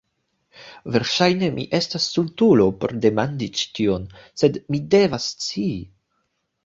Verŝajne mi estas stultulo por demandi ĉi tion sed mi devas scii